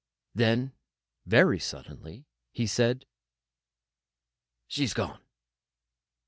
Then, very suddenly, he said: "She's gone."